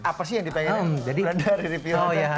apa sih yang dipengennya